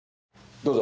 どうぞ。